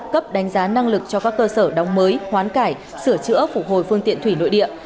cấp đánh giá năng lực cho các cơ sở đóng mới hoán cải sửa chữa phục hồi phương tiện thủy nội địa